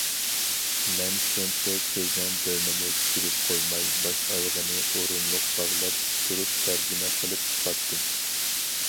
مەن شۇنچە سۆزنىڭ بىرىنىمۇ چۈشۈرۈپ قويماي، باش- ئايىغىنى ئورۇنلۇق باغلاپ تۇرۇپ تەرجىمە قىلىپ چىقاتتىم.